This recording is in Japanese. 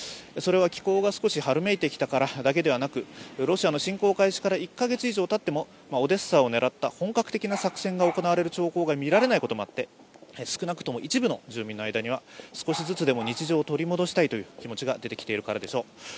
それは気候が少し春めいてきたからだけではなく、ロシアの侵攻が始まってから１カ月以上たってもオデッサを狙った本格的な作戦が行われる兆候が見られないこともあって、少なくとも一部の住民の間には少しずつでも日常を取り戻したいという気持ちが出てきているからでしょう。